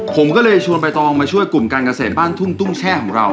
ผมก็เลยชวนใบตองมาช่วยกลุ่มการเกษตรบ้านทุ่งตุ้งแช่ของเรา